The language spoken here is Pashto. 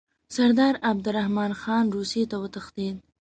سردار عبدالرحمن خان روسیې ته وتښتېد.